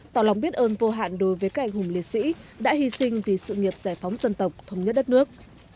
tạo lòng biết ơn vô hạn đối với các anh hùng liệt sĩ đã hy sinh vì sự nghiệp giải phóng dân tộc thống nhất đất nước